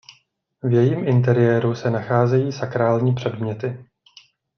V jejím interiéru se nacházejí sakrální předměty.